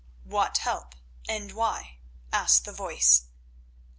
"What help, and why?" asked the voice.